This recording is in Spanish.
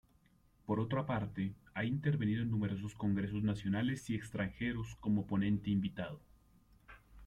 Por otra parte, ha intervenido en numerosos congresos nacionales y extranjeros como ponente invitado.